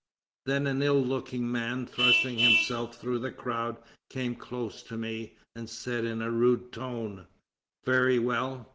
Then an ill looking man, thrusting himself through the crowd, came close to me and said in a rude tone: 'Very well!